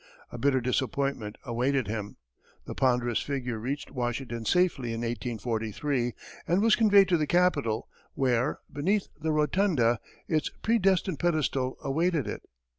A bitter disappointment awaited him. The ponderous figure reached Washington safely in 1843, and was conveyed to the Capitol, where, beneath the rotunda, its predestined pedestal awaited it.